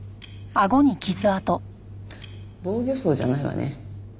防御創じゃないわね。